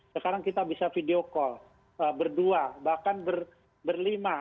sekarang kita bisa video call berdua bahkan berlima